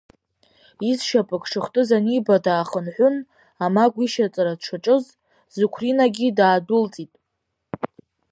Изшьапык шыхтыз аниба даахынҳәын, амагә ишьаҵара дшаҿыз, Сықәринагьы даадәылҵуеит.